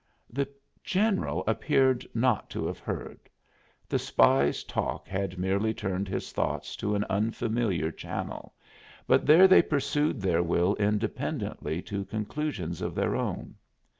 The general appeared not to have heard; the spy's talk had merely turned his thoughts into an unfamiliar channel, but there they pursued their will independently to conclusions of their own.